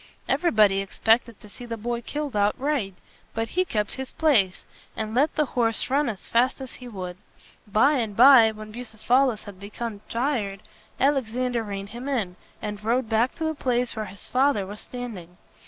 Everybody expected to see the boy killed outright. But he kept his place, and let the horse run as fast as he would. By and by, when Bucephalus had become tired, Alexander reined him in, and rode back to the place where his father was standing.